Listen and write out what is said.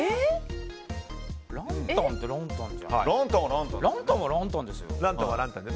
ランタンはランタンですよね。